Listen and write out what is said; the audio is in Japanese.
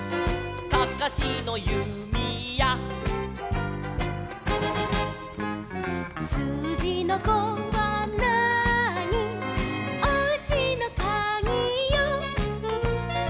「かかしのゆみや」「すうじの５はなーに」「おうちのかぎよ」